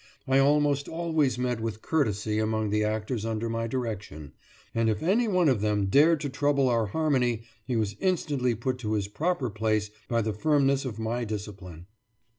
I almost always met with courtesy among the actors under my direction, and if any one of them dared to trouble our harmony, he was instantly put to his proper place by the firmness of my discipline.